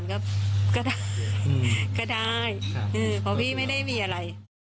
สาบานก็ได้พอพี่ไม่ได้มีอะไร